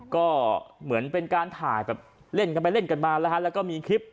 ก็เหมือนเป็นการถ่ายแบบเล่นกันไปเล่นกันมาแล้วฮะแล้วก็มีคลิป